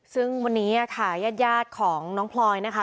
ซึ่งวันนี้ค่ะญาติของน้องพลอยนะคะ